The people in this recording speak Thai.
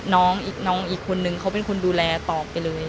น้องอีกคนนึงเขาเป็นคนดูแลตอบไปเลย